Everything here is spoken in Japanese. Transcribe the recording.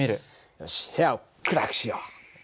よし部屋を暗くしよう。